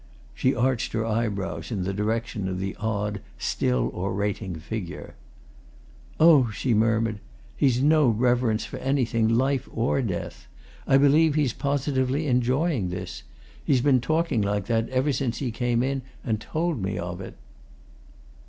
She arched her eyebrows in the direction of the odd, still orating figure. "Oh!" she murmured. "He's no reverence for anything life or death. I believe he's positively enjoying this: he's been talking like that ever since he came in and told me of it."